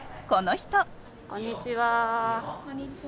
こんにちは。